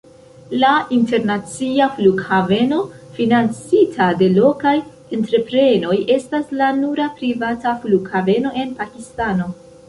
La internacia flughaveno, financita de lokaj entreprenoj, estas la nura privata flughaveno en Pakistano.